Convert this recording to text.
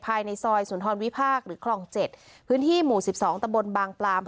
ภายในซอยสุนทรวิพากษ์หรือคลอง๗พื้นที่หมู่๑๒ตะบนบางปลาม